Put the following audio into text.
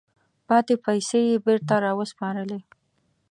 پاتې پیسې یې بیرته را وسپارلې.